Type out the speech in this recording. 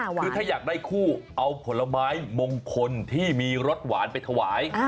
คือถ้าอยากได้คู่เอาผลไม้มงคลที่มีรสหวานไปถวาย